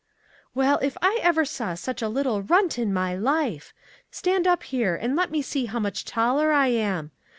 " Well, if I ever saw such a little runt in my life! Stand up here and let me see how much taller I am.